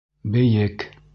Бейек!